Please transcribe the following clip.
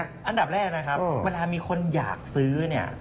อันดับแรกนะครับเวลามีคนอยากซื้อเนี่ย